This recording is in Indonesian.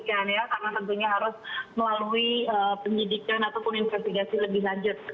karena tentunya harus melalui pendidikan ataupun investigasi lebih lanjut